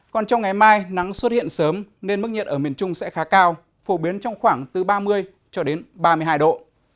còn trong ngày mai nắng xuất hiện sớm nên mức nhiệt ở miền trung sẽ khá cao phổ biến trong khoảng từ ba mươi cho đến ba mươi hai độ